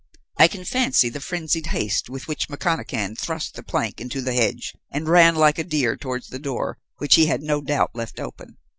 I can fancy the frenzied haste with which McConachan thrust the plank into the hedge and ran like a deer towards the door, which he had no doubt left open.